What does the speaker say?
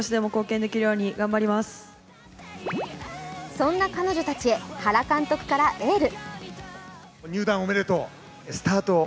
そんな彼女たちへ原監督からエール。